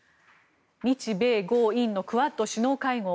日米豪印のクアッド首脳会合。